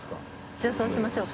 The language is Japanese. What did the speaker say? じゃあそうしましょうか。